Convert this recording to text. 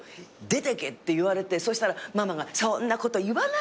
「出てけ」って言われてそうしたらママが「そんなこと言わないで！」